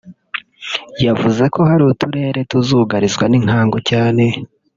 yavuze ko hari uturere tuzugarizwa n’inkangu cyane